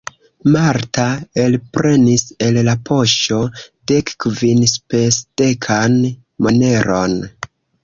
Marta elprenis el la poŝo dekkvinspesdekan moneron.